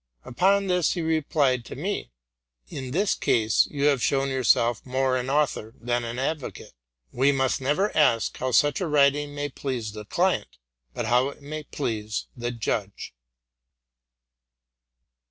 To this he replied, '' In this case you have proved more an author than an advocate. We must never ask how such a paper may please the client, but how it may please the judge."